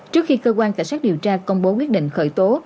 trước khi cơ quan cảnh sát điều tra công bố quyết định khởi tố